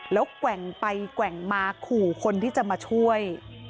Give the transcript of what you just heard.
แล้วแกว่งไปแกว่งมาขู่คนที่จะมาช่วย